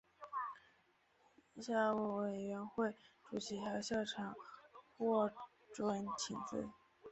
校务委员会主席和校长获准请辞。